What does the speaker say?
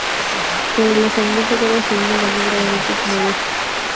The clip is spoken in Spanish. Pero la sangrienta Guerra Civil daño gravemente sus negocios.